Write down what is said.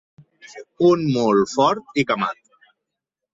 Un mul fort i camat.